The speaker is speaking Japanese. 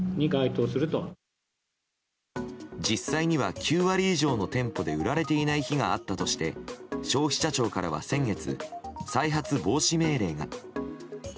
実際には９割以上の店舗で売られていない日があったとして消費者庁からは先月再発防止命令が。